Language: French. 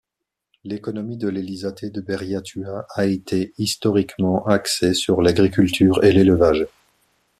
L'économie de l'elizate de Berriatua a été, historiquement, axée sur l'agriculture et l'élevage.